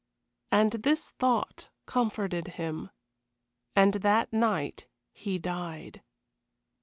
And this thought comforted him. And that night he died.